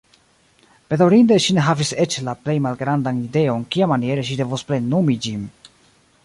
Bedaŭrinde, ŝi ne havis eĉ la plej malgrandan ideon kiamaniere ŝi devos plenumi ĝin.